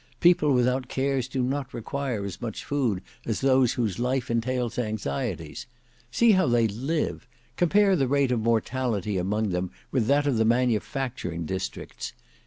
People without cares do not require as much food as those whose life entails anxieties. See how long they live! Compare the rate of mortality among them with that of the manufacturing districts.